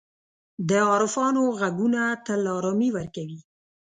د عارفانو ږغونه تل آرامي ورکوي.